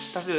tas dulu ya